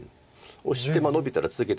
オシてノビたら続けて。